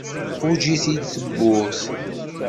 Tquǧǧ-it-id deg tewwurt.